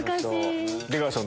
出川さん